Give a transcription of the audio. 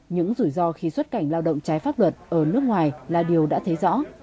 những rủi ro khi xuất cảnh lao động trái pháp luật ở nước ngoài là điều đã thấy rõ